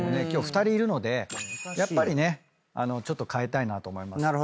今日２人いるのでやっぱりねちょっと変えたいなと思います。